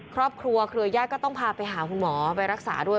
ครอบครัวครัวย่าก็ต้องพาไปหาคุณหมอไปรักษาด้วย